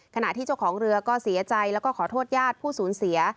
ขณะที่เจ้าของเรือก็เสียใจแล้วก็ขอโทษญาติผู้สูญเสีย